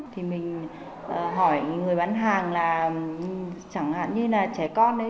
thì mình hỏi người bán hàng là chẳng hạn như là trẻ con ấy